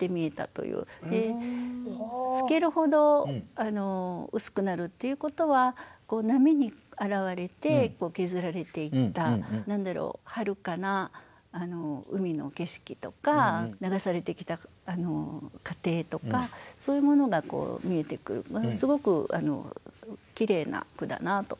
で透けるほど薄くなるっていうことは波に洗われて削られていった何だろうはるかな海の景色とか流されてきた過程とかそういうものが見えてくるすごくきれいな句だなと思いました。